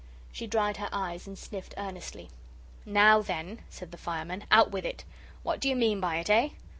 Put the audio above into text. She dried her eyes and sniffed earnestly. "Now, then," said the fireman, "out with it. What do you mean by it, eh?"